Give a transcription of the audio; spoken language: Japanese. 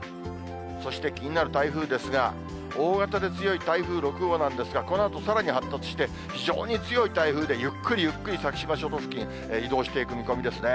そして気になる台風ですが、大型で強い台風６号なんですが、このあとさらに発達して、非常に強い台風でゆっくりゆっくり先島諸島付近、移動していく見込みですね。